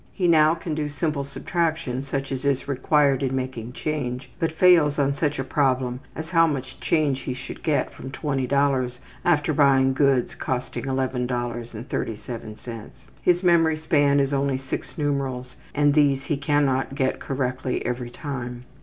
He now can do simple subtraction such as is required in making change, but fails on such a problem as how much change he should get from $20 after buying goods costing $11.37. His memory span is only six numerals, and these he cannot get correctly every time.